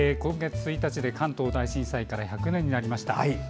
今月１日で関東大震災から１００年になりました。